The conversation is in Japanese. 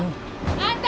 あんた！